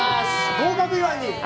合格祝いに。